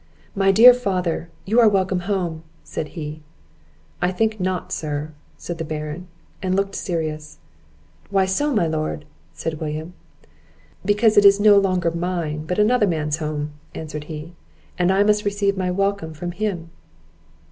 "My dear father, you are welcome home!" said he. "I think not, sir," said the Baron, and looked serious. "Why so, my lord?" said William. "Because it is no longer mine, but another man's home," answered he, "and I must receive my welcome from him."